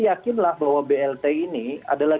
yakinlah bahwa blt ini adalah